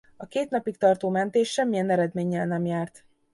A két napig tartó mentés semmilyen eredménnyel nem járt.